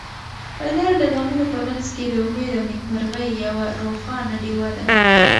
هنر د غمونو په منځ کې د امید او نېکمرغۍ یوه روښانه ډېوه ده.